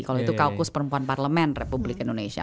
kalau itu kaukus perempuan parlemen republik indonesia